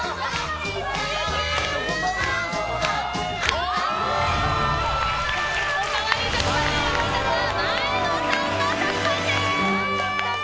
おお！おかわり食パンに選ばれたのは前野さんの食パンです！